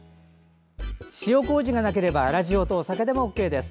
塩こうじがなければ粗塩とお酒でもＯＫです。